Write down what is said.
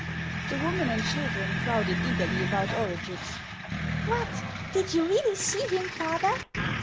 The woman and children crowded eagerly about Orugix. " What ! did you really see him, father